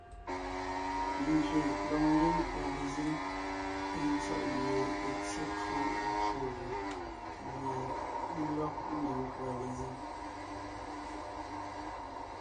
Ngyè lɔg ńdiŋ nkʉ̀a lezíŋ èe tsɔ̀ʼ gie è tsyé twó ncwò gʉ̀ gẅie mé lɔg ńdiŋ nkʉ̀a lezíŋ.